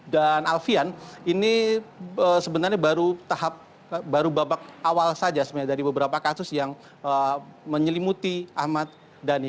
dan alfian ini sebenarnya baru tahap baru babak awal saja sebenarnya dari beberapa kasus yang menyelimuti ahmad dhani